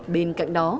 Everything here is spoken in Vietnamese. bên cạnh đó